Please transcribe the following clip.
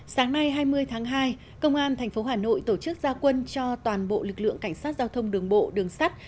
sáng nay hai mươi tháng hai công an tp hà nội tổ chức gia quân cho toàn bộ lực lượng cảnh sát giao thông đường bộ đường sắt